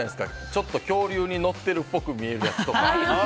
ちょっと恐竜に乗ってるっぽく見えるやつとか。